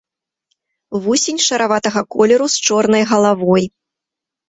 Вусень шараватага колеру з чорнай галавой.